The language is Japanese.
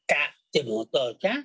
でもお父ちゃん